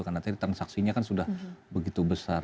karena tadi transaksinya kan sudah begitu besar